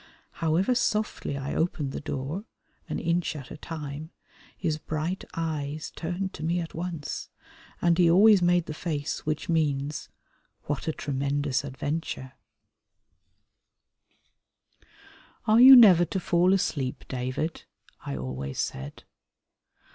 However softly I opened the door, an inch at a time, his bright eyes turned to me at once, and he always made the face which means, "What a tremendous adventure!" "Are you never to fall asleep, David?" I always said.